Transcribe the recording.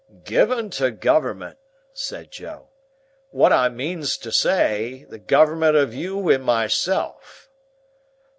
"Given to government," said Joe. "Which I meantersay the government of you and myself."